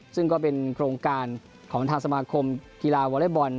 ซึ่งก็เป็นโครงการของทางสมาคมกีฬาวอเล็กบอล